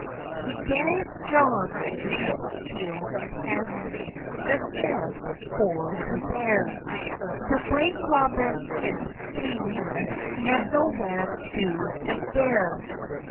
He gaf Johne the seel in hand, The scheref for to bere, To brynge Robyn hym to, And no man do hym dere.